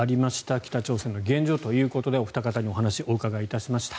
北朝鮮の現状ということでお二方にお話をお伺いしました。